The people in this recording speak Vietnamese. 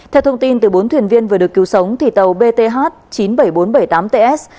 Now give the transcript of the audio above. theo thông tin từ bốn thuyền viên vừa được cứu sống tàu bth chín mươi bảy nghìn bốn trăm bảy mươi tám ts